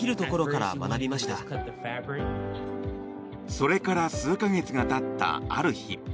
それから数か月が経ったある日。